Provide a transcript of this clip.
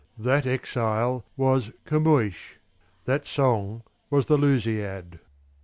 That exile was Camoens; that song was the Lusiad.